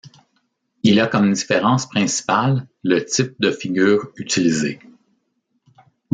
Il a comme différence principale le type de figures utilisées.